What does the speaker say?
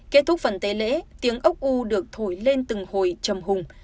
kết thúc phần tế lễ tiếng ốc u được thổi lên từng hồi trầm hùng